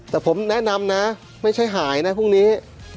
แต่ผมแนะนำนะไม่ใช่หายนะพรุ่งนี้